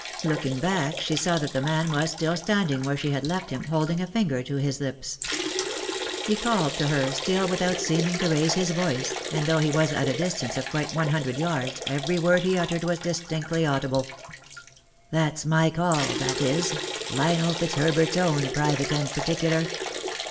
Looking back she saw that the man was still standing where she bad left him, holding a finger to his lips. He called to her, still without seeming to raise his voice, and though he was at a distance of quite one hundred yards, every word he tittered was distinctly audible. "That's my call, that is, Lionel Fitzherbert's own private and particular.